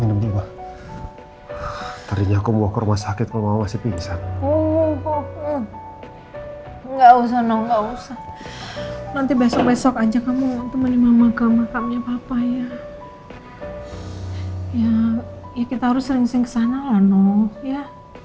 nanti besok besok aja kamu teman teman ke makamnya apa ya ya ya kita harus sering singkirkan ono ya